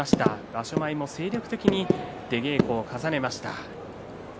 場所前も精力的に出稽古を重ねました。